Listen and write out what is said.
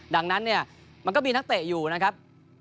ดังนั้นเนี่ยมันก็มีนักเตะอยู่นะครับ